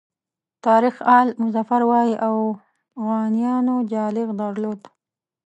تاریخ آل مظفر وایي اوغانیانو جالغ درلود.